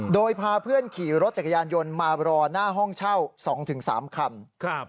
โดยพาเพื่อนขี่รถจักรยานยนต์มารอหน้าห้องเช่า๒๓คัน